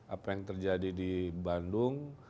apa yang terjadi di bandung